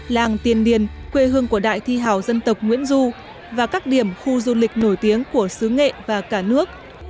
làng tiền điền quê hương của đại thi hào dân tộc nguyễn du và các điểm khu du lịch nổi tiếng của xứ nghệ và cả nước